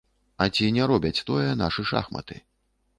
А ці не робяць тое нашы шахматы?